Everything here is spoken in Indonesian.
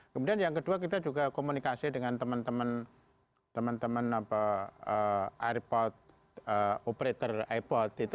kemudian yang kedua kita juga komunikasi dengan teman teman operator airport